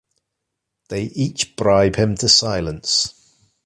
They each bribe him to silence.